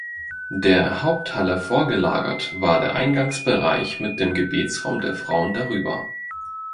Der Haupthalle vorgelagert war der Eingangsbereich mit dem Gebetsraum der Frauen darüber.